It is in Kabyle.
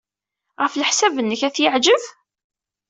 Ɣef leḥsab-nnek, ad t-yeɛjeb?